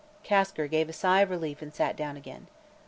Kasker gave a sigh of relief and sat down again.